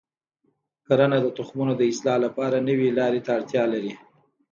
کرنه د تخمونو د اصلاح لپاره نوي لارې ته اړتیا لري.